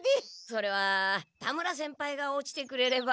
それは田村先輩が落ちてくれれば。